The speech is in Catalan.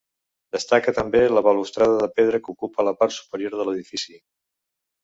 Destaca també la balustrada de pedra que ocupa la part superior de l'edifici.